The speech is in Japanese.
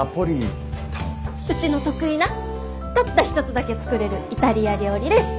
うちの得意なたった一つだけ作れるイタリア料理です！